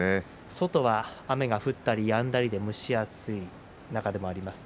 外の雨降ったりやんだりで蒸し暑い中です。